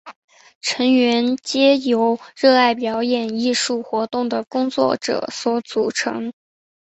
成员皆由热爱表演艺术活动的工作者所组成。